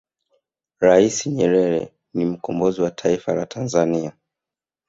rais nyerere ni mkombozi wa taifa la tanzania